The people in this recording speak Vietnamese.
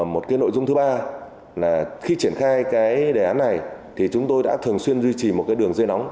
một cái nội dung thứ ba là khi triển khai cái đề án này thì chúng tôi đã thường xuyên duy trì một cái đường dây nóng